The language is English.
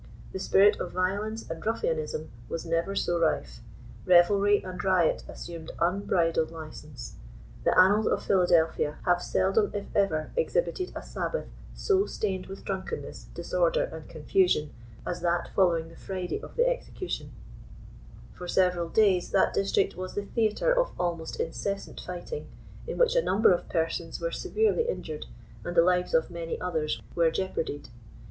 The spirit of violence and ruffianism was never so 77 rife. Revelry and riot assumed unbridled license. The annals of Philadelphia have seldom, if ever, exhibited a Sabbath so stained with drunkenness, disorder and confusion, as that fol lowing the Friday of the execution For several days that district was the theatre of almost incessant lighting, in which a number of persons were severely injured, and the lives of many others were jeoparded."